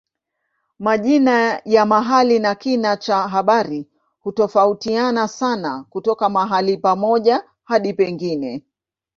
Majina ya mahali na kina cha habari hutofautiana sana kutoka mahali pamoja hadi pengine.